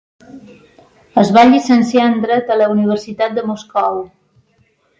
Es va llicenciar en dret a la universitat de Moscou.